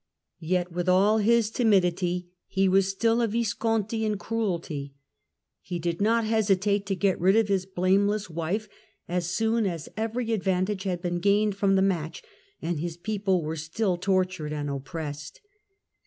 Yet with all his timidity he was still a Visconti in cruelty. He did not hesitate to get rid of his blameless wife, as soon as every advantage had been gained from the match, and his people were still tortured and oppressed.